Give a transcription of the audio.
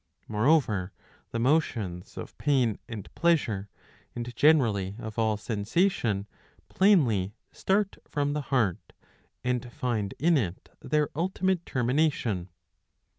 Moreover the motions of pain and pleasure,^^ and generally of all sensation, plainly start from the heart, and find in it their ultimate termination.